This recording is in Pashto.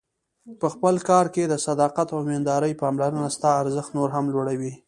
په خپل کار کې د صداقت او ایماندارۍ پاملرنه ستا ارزښت نور هم لوړوي.